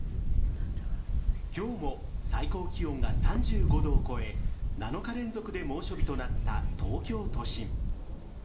今日も最高気温が３５度を超え７日連続で猛暑日となった東京都心。